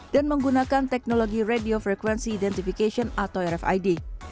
dan menggunakan teknologi radio frequency identification atau rfid